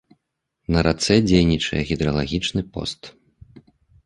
На рацэ дзейнічае гідралагічны пост.